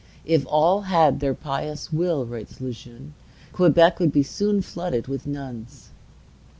"If all had their pious will," writes Le Jeune, "Quebec would soon be flooded with nuns."